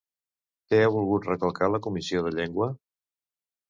Què ha volgut recalcar la comissió de llengua?